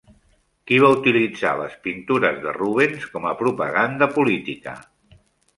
Qui va utilitzar les pintures de Rubens com a propaganda política?